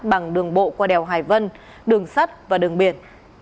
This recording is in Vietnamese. bằng đường bộ qua đèo hải vân đường sắt và đường biển